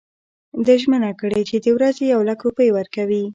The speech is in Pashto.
ده ژمنه کړې چې د ورځي یو لک روپۍ ورکوي.